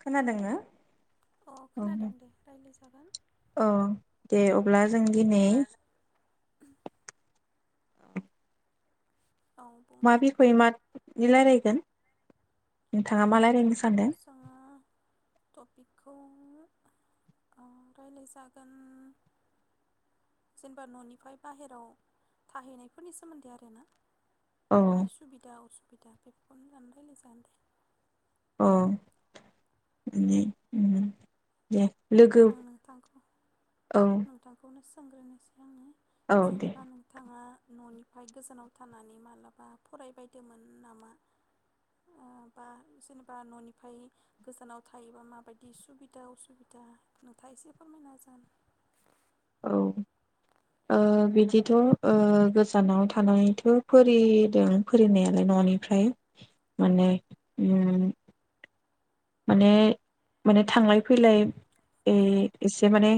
खोनादोंना अ औ खोनादों दे राज्लायजागोन प्लास जों दिनै औ [inaudible] औ बुंदो मा बिखय मानि रायज्लायगोन दोन [inaudible] जोङो टपिकखौ जोङो ओ रायज्लायजागोन जेनेबा न'निफ्राय बाहेराव थाहैनायफोरनि सोमोन्दै आरोना औ माबायदि सुबिदा असुबिदा बे उ जान्रायल जागद [inaudible] औ दे [inaudible] आं नोंथांखौ औ नोंथांखौनो सोंग्रोनोसै आङो औ दे जेनेबा नोंथाङा न'निफ्राय गोजानाव थानानै मालाबा फरायबायदोंमोन नामा ओ बा जेनेबा न'निफ्राय गोजानाव थायोबा माबायदि सुबिदा उसुबिदा नुथा एसे फोरमायना जान [inaudible] औ ओ बिदिथ' ओ गोजानाव थानानैथ' फरायदों फरायनायालाय न'निफ्राय माने उम माने माने थांलाय फैलाय एसे माने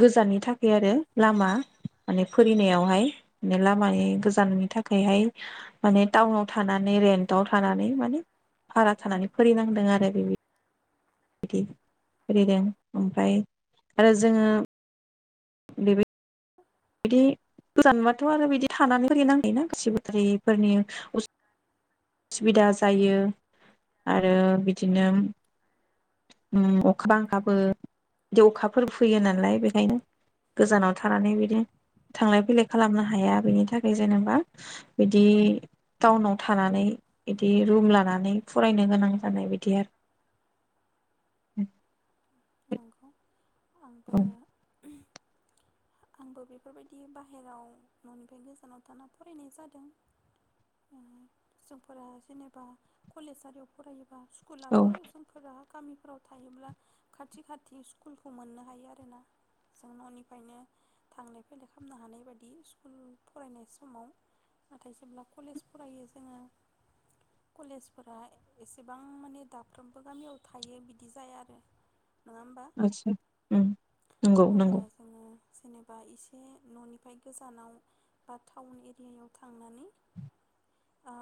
गोजाननि थाखाय आरो लामा माने फोरिनायावहाय माने लामानि गोजाननि थाखायहाय माने टाउनाव थानानै रेन्टआव थानानै माने भारा थानानै फैनांदों आरो बे फदों ओमफ्राय आरो जोङो [inaudible] ेभ [inaudible] बिदि गोजानबाथ' आरो बिदि थानानै फोरिनांङोना गसिबो बारिफोरनि उसुबिदा जायो आरो बिदिनो अखा बांखाबो बिदि अखाफोर फैयो नालाय बेखायनो [inaudible] गोजानाव थानानै बिदि थांलाय फैलाय खालामनो हाया बिनि थाखाय जेनेबा बिदि टाउनाव थानानै बिदि रुम लानानै फरायनो गोनां जानाय बिदि आरो नंगौ आंबो औ आंबो बेफोरबायदि बाहेरायाव न'निफ्राय गोजानाव थाना फरायनाय जादों जोंफोरा जेनेबा कलेजारियाव फरायोबा स्कुलाथ' औ जोंफोरा गामिफोराव थायोब्ला खाथि खाथि स्कुलखौ मोननो हायो आर ना जों न'निफ्रायनो थांलाय फैलाय खालामनो हानाय बायदि स्कुल फरायनाय समाव नाथाय जेब्ला कलेज फरायो जोङो कलेजफोरा एसेबां माने दाफ्रोमबो गामियाव थायो बिदि जाया आरो नङा होमबा आतसा उम नंगौ नंगौ अब्ला जोङो जेनेबा एसे न'निफ्राय गोजानाव बा टाउन एरियायाव थांनानै ओ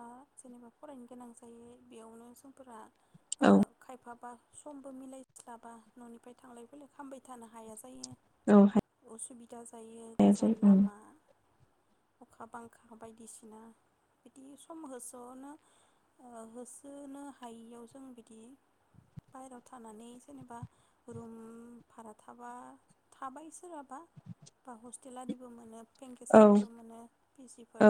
जेनेबा फरायनो गोनां जायो बेयावनो समफोर ओ औ खायफाबा समबो मिलायस्लाबा न'निफ्राय थांलाय फैलाय खालामबाय थानो हाया जों औ उसुबिदा जायो हायासै गोजान उम लामा अखा -बांखा बायदिसिना बिदि सम होसोनो ओ होसोनो हायियाव जों बिदि बायेरायाव थानानै जेनेबा रुम भारा थाबा थाबाय सोरहाबा बा हस्टेल आदिबो मोनो औ बेंकेसारिबो मोनो पि जिफोर औ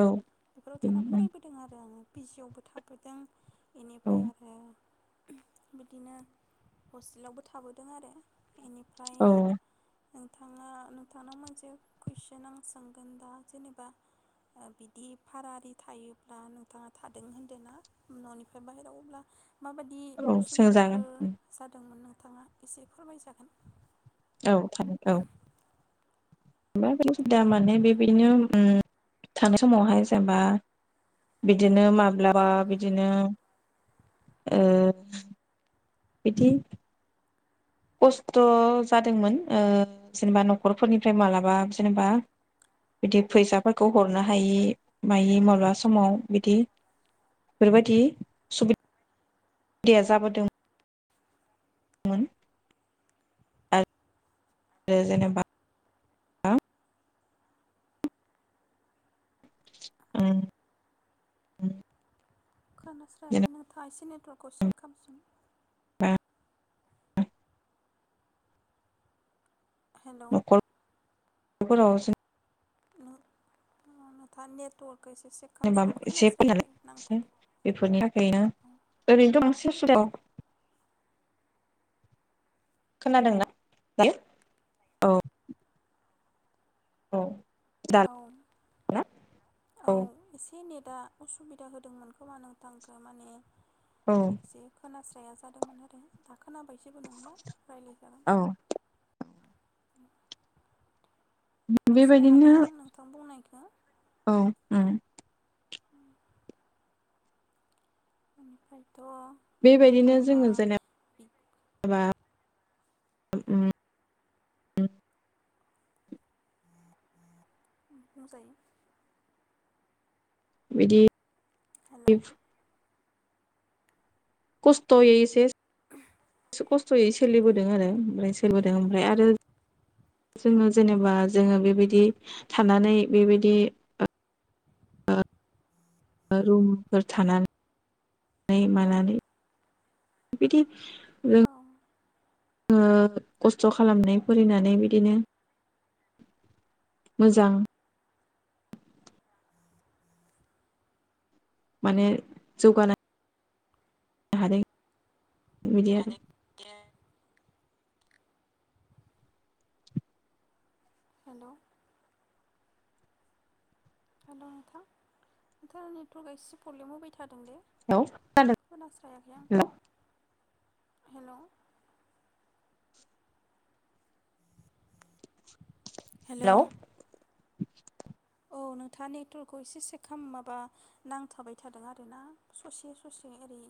बेफोराव बेनो थाना फरायबोदों आरो आङो बिजिआवबो थाबोदों बेनिफ्राय उम आरो बिदिनो हस्टेलावबो थाबोदों आरो बिनिफ्राय औ नोंथाङा नोंथांनाव मोनसे कुइसन आं सोंगोन दा जेनेबा बिदि फारारि थायोब्ला नोंथाङा थादों होन्दों ना न'निफ्राय बाहेरायाव अब्ला माबायदि औ सोंजागोन उसुबिदाफोर उम जादोंमोन नोंथाङा एसे फोरमायजागोन औ थानो औ मा दा माने बेबायदिनो ओ थानाय समावहाय जेनेबा बिदिनो माब्लाबा बिदिनो ओ बिदि खस्थ' जादोंमोन जेनेबा न'खरफोरनिफ्राय माबलाबा जेनेबा बिदि फैसाफोरखौ हरनो हायि माय माब्लाबा समाव बिदि बेफोरबायदि सुबिददाया जाबोदों [inaudible] आरो जेनेबा औ खोनानास्रायाखै नों था एसेनो अट'खौ चेक खालामामसिन बा हेलौ बेफोरावजों [inaudible] खालामफिन खोनास्रायाखै नांथादों [unintelligible] [unintelligible] औ औ दाना औ एसे नेट दा असुबिदा होदोंमोन खोमा नोंथांखो माने औ एसे खोनास जादोंमोन आरो दा खोनाबायसबो नंला रायज्लायजागोन औ बुजिनो हादों बेबायदिनो आं नोंथां बुंनायखौ औ ओम उम बिनिफ्राय बेबायदिनो जोंङो जेनेबा ओम [inaudible] बुंजायो बिदि हेलौ खसथ'यै एसे [unintelligible] खस्थ'यै सोलिबोदों आरो ओमफ्राय सोलिबोदों आरो ओमफ्राय आरो जों जेनेबा जोंङो बेबायदि थानानै बेबायदि रुमफोर थानानै मानानै बिदि औ ओ खस्थ खालामबाय फरिनानै बिदिनो मोजां माने जौगानाय थारै [unintelligible] हेलौ हेलौ नोंथां नोंथाङा नेटवर्क आं एसे प्रब्लेम होबाय थादों थादों दे खोनास्रायाखै आं हेलौ हेलौ औ नोंथाङा नेटवर्कखौ एसे सेक खालाम माबा नांथाबाय थादों आरोना ससे ससे ओरै